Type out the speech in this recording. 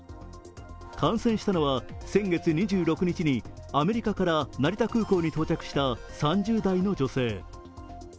感染したのは先月２６日にアメリカから成田空港に到着した３０代の女性。